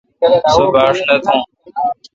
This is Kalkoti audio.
سو باݭ نہ تھوں۔